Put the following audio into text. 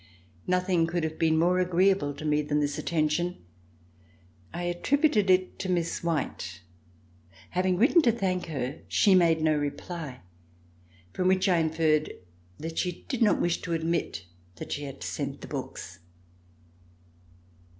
Nothing could have been more agreeable to me than this attention. I attributed it to Miss White. Having written to thank her, she made no reply, from which I inferred that she did not wish to admit that she had sent the books.